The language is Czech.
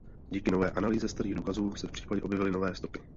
Díky nové analýze starých důkazů se v případě objevily nové stopy.